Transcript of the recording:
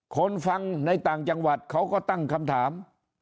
คนฟังในต่างจังหวัดเขาก็ตั้งคำถาม